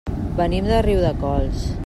Venim de Riudecols.